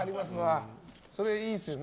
それいいですよね。